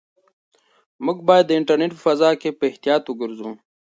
موږ باید د انټرنيټ په فضا کې په احتیاط وګرځو.